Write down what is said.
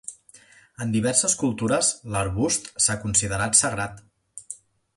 En diverses cultures l'arbust s'ha considerat sagrat.